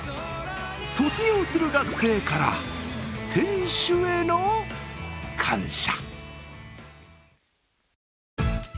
卒業する学生から店主への感謝。